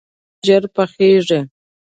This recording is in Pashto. جوار په لمر کې ژر پخیږي.